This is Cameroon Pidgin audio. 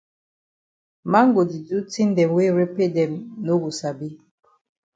Man go di do tin dem wey repe dem no go sabi.